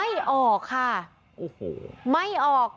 พี่หุยรู้มั้ยเขาทำอะไรอยู่ในห้องนอนในมือถือปืน